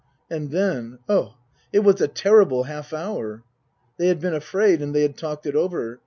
And then oh, it was a terrible half hour ! They had been afraid, and they had talked it over.